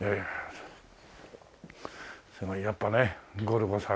すごいやっぱね『ゴルゴ１３』。